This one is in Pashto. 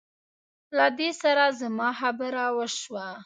له دې سره زما خبره وشوه.